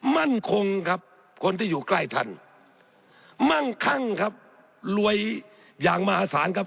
มั่นคงครับคนที่อยู่ใกล้ท่านมั่งคั่งครับรวยอย่างมหาศาลครับ